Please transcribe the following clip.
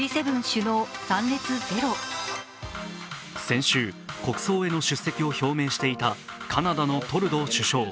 先週、国葬への出席を表明していたカナダのトルドー首相。